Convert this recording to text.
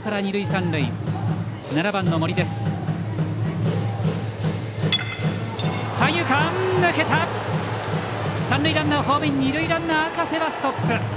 三塁ランナー、ホームイン二塁ランナーの赤瀬はストップ。